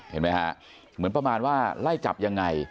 เห็นไหมฮะเหมือนประมาณว่าไล่จับยังไง